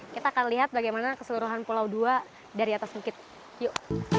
kita akan lihat bagaimana keseluruhan pulau dua dari atas bukit yuk